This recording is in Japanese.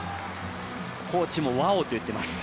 コーチも「わお」と言っています。